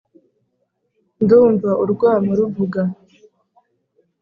Ndumva urwamo ruvuga